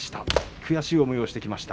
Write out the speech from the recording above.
悔しい思いをしてきました。